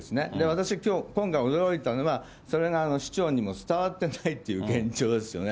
私きょう、今回驚いたのは、それが市長にも伝わってないっていう現状ですよね。